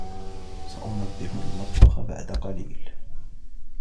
سأنظف المطبخ بعد قليل.